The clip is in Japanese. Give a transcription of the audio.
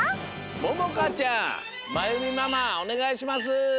ももかちゃんまゆみママおねがいします。